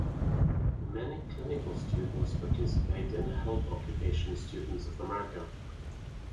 Many clinical students participate in Health Occupation Students of America.